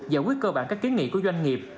giải quyết cơ bản các kiến nghị của doanh nghiệp